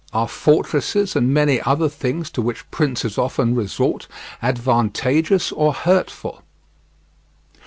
ARE FORTRESSES, AND MANY OTHER THINGS TO WHICH PRINCES OFTEN RESORT, ADVANTAGEOUS OR HURTFUL?